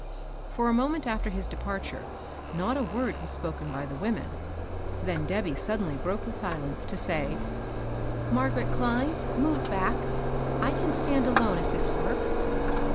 For a moment after his departure, not a word was spoken by the women. Then Debby sud daily broke the silence to say, — 166 MABEL BOSS. "Margaret CHne, move back. I c^n stand alone at this work."